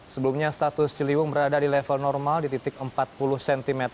sebelumnya status ciliwung berada di level normal di titik empat puluh cm